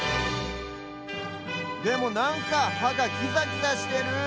でもなんかはがキザギザしてる。